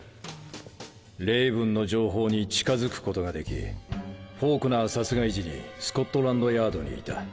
レイブンの情報に近づくことができフォークナー殺害時にスコットランドヤードにいた。